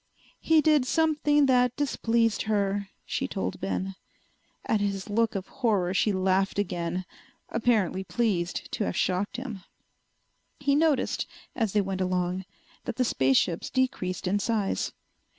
"He did something that displeased her," she told Ben. At his look of horror she laughed again, apparently pleased to have shocked him. He noticed, as they went along, that the space ships decreased in size.